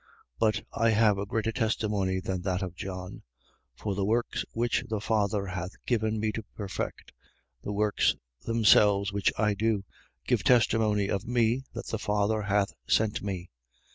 5:36. But I have a greater testimony than that of John: for the works which the Father hath given me to perfect, the works themselves which I do, give testimony of me, that the Father hath sent me.